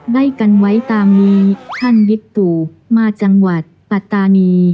ใดกันไว้ตามนี้ท่านมาจังหวัดปรัตนี